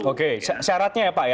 oke syaratnya ya pak ya